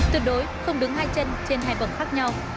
tuyệt đối không đứng hai chân trên hai bậc khác nhau